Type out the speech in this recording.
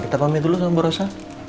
kita pamit dulu sama bu rosa